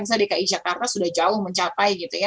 misalnya dki jakarta sudah jauh mencapai